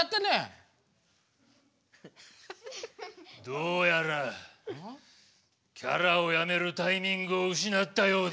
どうやらキャラをやめるタイミングを失ったようだ。